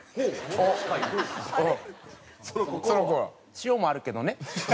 塩もあるけどね。